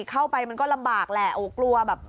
เข้าไปมันก็ลำบากแหละโอ้กลัวแบบ